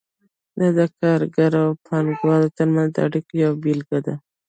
دا د کارګر او پانګه وال ترمنځ د اړیکو یوه بیلګه ده.